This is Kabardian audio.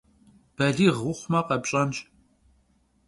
Балигъ ухъумэ къэпщӏэнщ.